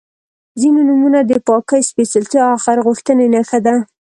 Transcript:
• ځینې نومونه د پاکۍ، سپېڅلتیا او خیر غوښتنې نښه ده.